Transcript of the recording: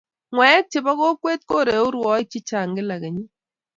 Ng'waek chebo kokwet koreu rwoiik chechaang' kila kenyiit